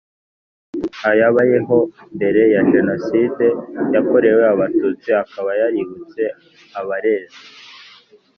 ayabayeho mbere ya Jenoside yakorewe Abatutsi akaba yaributse abarezi